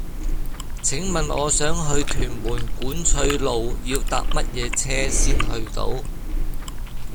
請問我想去屯門管翠路要搭乜嘢車先去到